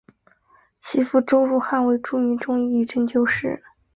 其父周汝汉为著名中医与针灸师。